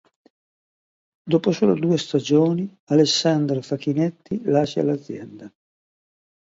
Dopo solo due stagioni Alessandra Facchinetti lascia l'azienda.